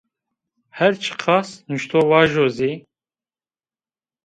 Herçiqas nuştox vajo zî